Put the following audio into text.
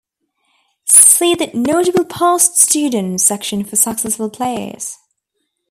See the "Notable Past Students" section for successful players.